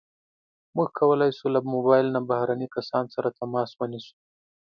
موږ کولی شو له موبایل نه بهرني کسان سره تماس ونیسو.